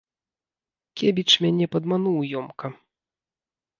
Кебіч мяне падмануў ёмка.